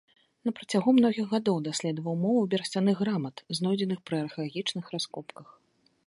На працягу многіх гадоў даследаваў мову берасцяных грамат, знойдзеных пры археалагічных раскопках.